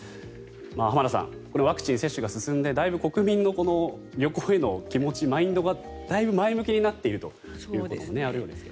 浜田さん、ワクチン接種が進んでだいぶ国民の旅行への気持ちマインドがだいぶ前向きになっていることがあるようですが。